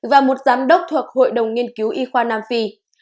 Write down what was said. và một giám đốc thuộc hội đồng nghiên cứu y khoa nam phi